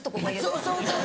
そうそうそうそう！